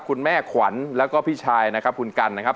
คุณแม่ขวัญแล้วก็พี่ชายนะครับคุณกันนะครับ